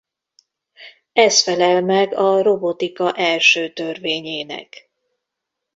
Ez felel meg a robotika első törvényének.